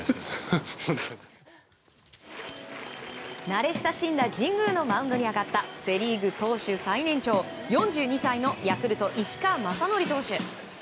慣れ親しんだ神宮のマウンドに上がったセ・リーグ投手最年長、４２歳のヤクルト、石川雅規投手。